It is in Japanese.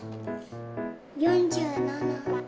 ４７。